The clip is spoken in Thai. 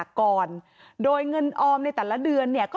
และมีการเก็บเงินรายเดือนจริง